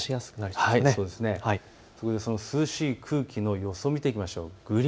そしてその涼しい空気の予想、見ていきましょう。